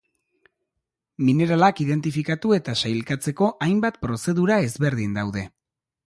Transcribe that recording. Mineralak identifikatu eta sailkatzeko hainbat prozedura ezberdin daude.